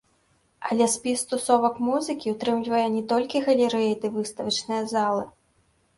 Але спіс тусовак музыкі ўтрымлівае не толькі галерэі ды выставачныя залы.